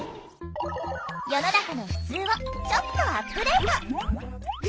世の中のふつうをちょっとアップデート。